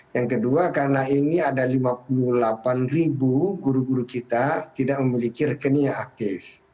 yang kedua karena ini ada lima puluh delapan ribu guru guru kita tidak memiliki rekening yang aktif